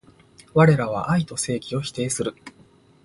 われらは愛と正義を否定する